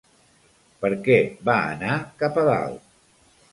Per què va anar cap a dalt?